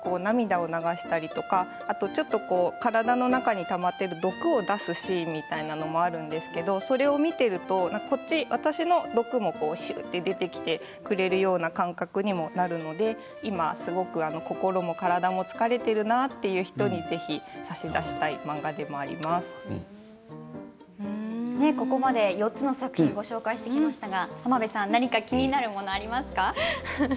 主人公のトモが涙を流したり体の中にたまっている毒を出すシーンみたいなものもあるんですけどそれを見ていると私の毒も出てきてくれるような感覚にもなるので今心も体も疲れているなという人にぜひ差し出したい漫画でもあり４つの作品をご紹介してきましたが、浜辺さん気になるものがありましたか？